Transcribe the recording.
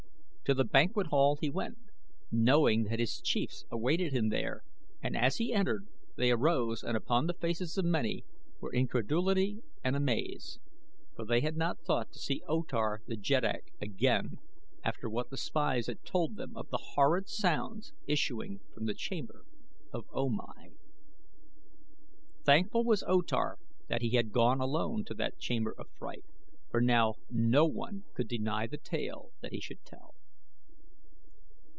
To the banquet hall he went, knowing that his chiefs awaited him there and as he entered they arose and upon the faces of many were incredulity and amaze, for they had not thought to see O Tar the jeddak again after what the spies had told them of the horrid sounds issuing from the chamber of O Mai. Thankful was O Tar that he had gone alone to that chamber of fright, for now no one could deny the tale that he should tell.